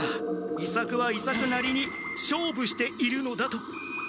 伊作は伊作なりに勝負しているのだと。